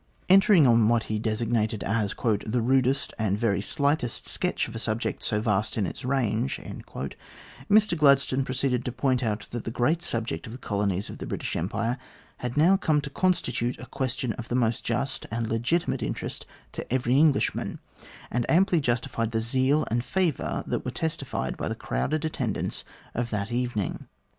Entering on what he designated as " the rudest and the very slightest sketch of a subject so vast in its range," Mr Gladstone proceeded to point out that the great subject of the colonies of the British Empire had now come to con stitute a question of the most just and legitimate interest to every Englishman, and amply justified the zeal and favour that were testified by the crowded attendance of that evening.